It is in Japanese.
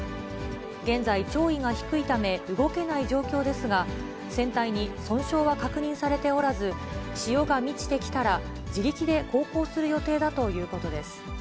現在、潮位が低いため動けない状況ですが、船体に損傷は確認されておらず、潮が満ちてきたら自力で航行する予定だということです。